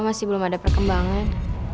masih belum ada perkembangan